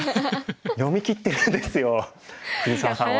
読みきってるんですよ藤沢さんは。